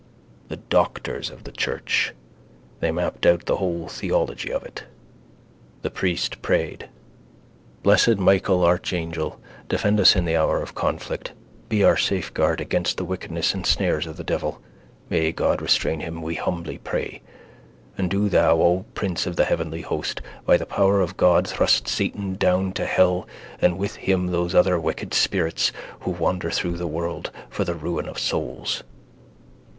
The doctors of the church: they mapped out the whole theology of it. The priest prayed: —Blessed Michael, archangel, defend us in the hour of conflict. Be our safeguard against the wickedness and snares of the devil (may God restrain him, we humbly pray!): and do thou, O prince of the heavenly host, by the power of God thrust Satan down to hell and with him those other wicked spirits who wander through the world for the ruin of souls.